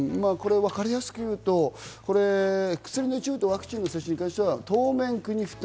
わかりやすく言うと、薬の一部とワクチンの接種に関しては当面、国負担。